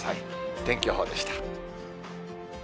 天気予報でした。